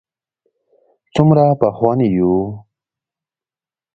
څومره پخواني یو.